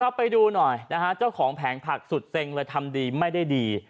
พี่ครับไปดูหน่อยจะของแผงผักสุดเซ็งไปทำดีไม่ได้ดี